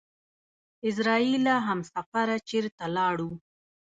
اعزرائيله همسفره چېرته لاړو؟!